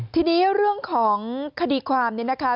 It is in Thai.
ทีนี้เรื่องของคดีความเนี่ยนะคะ